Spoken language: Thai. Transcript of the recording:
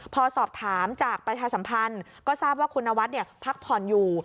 พอสอบถามจากประชาสัมพันธ์ก็ทราบว่าคุณนวัฒน์พักผ่อนอยู่